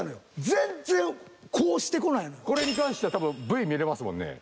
全然こうしてこないのよ。これに関しては多分Ｖ見れますもんね。